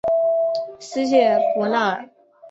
斯谢伯纳尔。